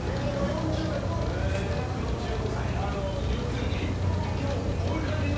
要するに。